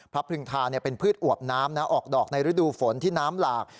พรึงทาเป็นพืชอวบน้ำออกดอกในฤดูฝนที่น้ำหลาก